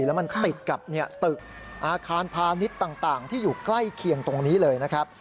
แล้วมันติดกับตึกอาคารพาณิชย์ต่างที่อยู่ใกล้เคียงตรงนี้เลยนะครับ